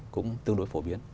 cũng tương đối phổ biến